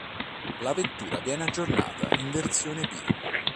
La vettura viene aggiornata in versione "B".